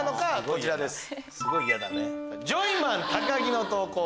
こちらです。